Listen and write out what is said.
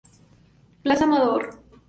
Plaza Amador.